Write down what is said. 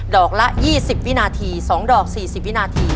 อกละ๒๐วินาที๒ดอก๔๐วินาที